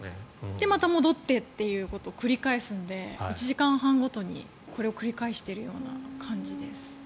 で、また戻ってということを繰り返すので１時間半ごとに、これを繰り返しているような感じです。